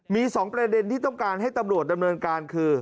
มี๒ประเด็นที่ต้องการให้ตำรวจดำเนินการคือ